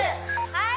はい